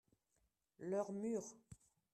leurs murs.